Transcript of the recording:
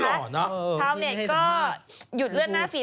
อ๋อน่ะเออเออพี่ไม่ให้สามารถชาวเนี่ยก็หยุดเลื่อนหน้าฝีด